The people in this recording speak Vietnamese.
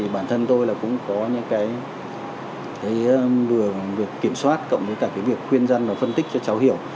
bản thân tôi cũng có những việc kiểm soát cộng với việc khuyên dân và phân tích cho cháu hiểu